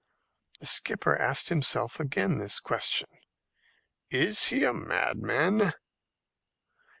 The skipper asked himself again this question, "Is he a madman?"